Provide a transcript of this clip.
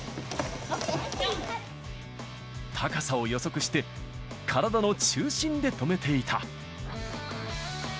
高さを予測して、体の中心で止めていた。